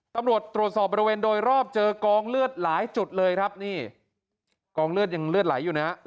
ตำรวจตรวจสอบบริเวณโดยรอบเจอกองเลือดหลายจุดเลยครับนี่กองเลือดยังเลือดไหลอยู่นะฮะ